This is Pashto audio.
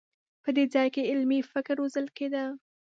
په دې ځای کې علمي فکر روزل کېده.